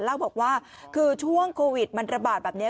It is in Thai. เล่าบอกว่าคือช่วงโควิดมันระบาดแบบนี้